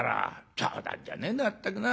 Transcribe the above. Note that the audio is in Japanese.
冗談じゃねえなまったくな。